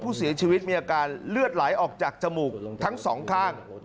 ผู้เสียชีวิตมีอาการเลือดไหลออกจากจมูกทั้งสองข้าง